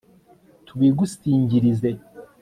tubigusingirize